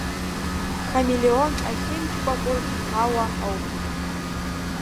Хамелеон ахьынчкәакәыр ауа ауп.